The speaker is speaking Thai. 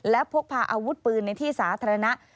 และพกพาอาวุธปืนในที่สาธารณะ